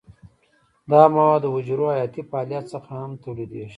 دا مواد د حجرو حیاتي فعالیت څخه هم تولیدیږي.